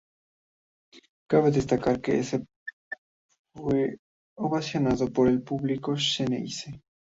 Cabe destacar que en ese partido fue ovacionado por el público xeneize.